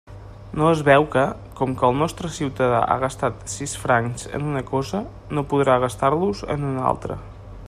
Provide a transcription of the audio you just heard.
No es veu que, com que el nostre ciutadà ha gastat sis francs en una cosa, no podrà gastar-los en una altra.